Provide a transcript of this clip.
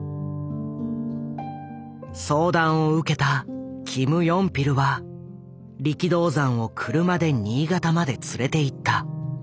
相談を受けたキム・ヨンピルは力道山を車で新潟まで連れていった。